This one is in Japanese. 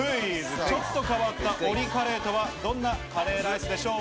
ちょっと変わったオリカレーとはどんなカレーライスでしょうか？